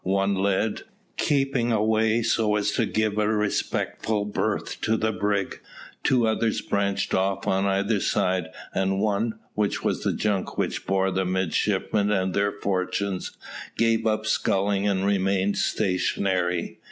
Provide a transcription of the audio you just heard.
One led, keeping away so as to give a respectful berth to the brig, two others branched off on either side, and one, which was the junk which bore the midshipmen and their fortunes, gave up sculling and remained stationary.